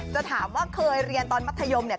จะถามว่าเคยเรียนตอนมัธยมเนี่ย